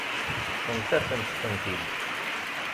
Teṭṭfemt-asen-tent-id.